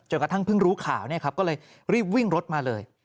จนกระทั่งเพิ่งรู้ข่าวก็เลยรีบวิ่งรถมาเลย